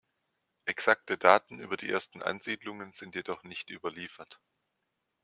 Exakte Daten über die ersten Ansiedlungen sind jedoch nicht überliefert.